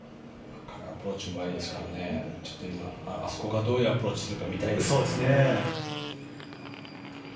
アプローチもうまいですからちょっと、あそこからどういうアプローチするか見たいですね。